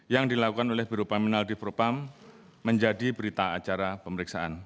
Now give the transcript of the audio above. yang dilakukan oleh biro paminal di propam menjadi berita acara pemeriksaan